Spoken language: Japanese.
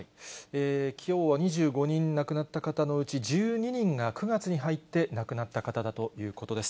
きょうは２５人亡くなった方のうち、１２人が９月に入って亡くなった方だということです。